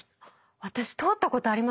私通ったことあります！